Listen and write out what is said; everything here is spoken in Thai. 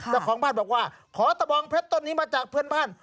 เจ้าของบ้านบอกว่าขอตะบองเพชรต้นนี้มาจากเพื่อนบ้าน